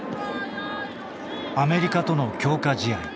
アメリカとの強化試合。